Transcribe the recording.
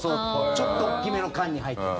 ちょっと大きめの缶に入ってて。